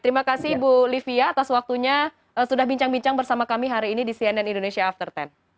terima kasih bu livia atas waktunya sudah bincang bincang bersama kami hari ini di cnn indonesia after sepuluh